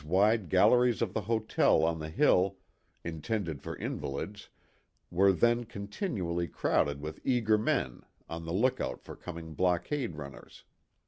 127 wide galleries of the hotel on the hill, intended for invalids, were then continually crowded with eager men on the lookout for coming blockade runners.